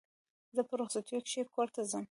زه په رخصتیو کښي کور ته ځم.